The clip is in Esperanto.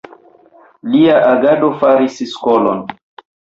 Lia agado faris skolon.